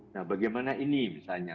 nah bagaimana ini misalnya